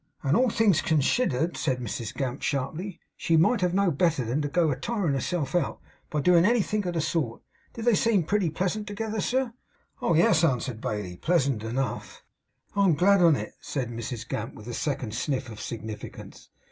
'And all things considered,' said Mrs Gamp sharply, 'she might have know'd better than to go a tirin herself out, by doin' anythink of the sort. Did they seem pretty pleasant together, sir?' 'Oh, yes,' answered Bailey, 'pleasant enough.' 'I'm glad on it,' said Mrs Gamp, with a second sniff of significance.